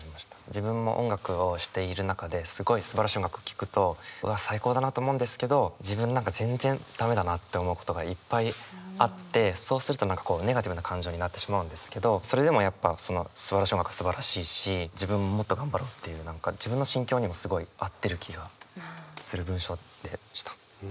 自分も音楽をしている中ですごいすばらしい音楽を聴くとうわ最高だなと思うんですけど自分何か全然駄目だなって思うことがいっぱいあってそうすると何かネガティブな感情になってしまうんですけどそれでもやっぱすばらしい音楽はすばらしいし自分ももっと頑張ろうっていう何か自分の心境にもすごい合ってる気がする文章でした。